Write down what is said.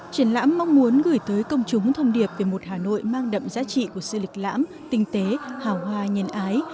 triển lãm mong muốn gửi tới công chúng thông điệp về một hà nội mang đậm giá trị của sự lịch lãm tinh tế hào hoa nhân ái